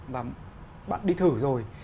và bạn đi thử rồi